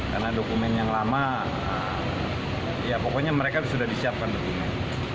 karena dokumen yang lama ya pokoknya mereka sudah disiapkan dokumen